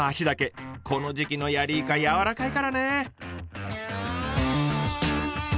この時期のヤリイカ柔らかいからね。